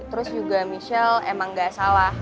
terus juga michelle emang gak salah